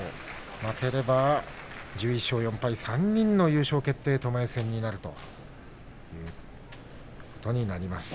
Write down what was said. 負ければ１１勝４敗、３人の優勝決定、ともえ戦になるということになります。